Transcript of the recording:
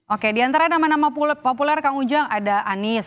oke diantara nama nama populer kang ujang ada anies